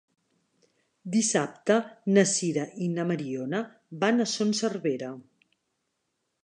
Dissabte na Sira i na Mariona van a Son Servera.